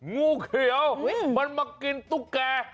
งูเขียวมันมากินตุ๊กแก่